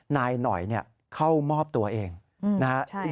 นายหน่อยเข้ามอบตัวเองนะครับ